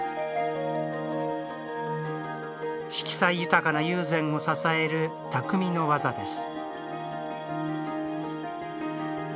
色彩豊かな友禅を支える匠の技です。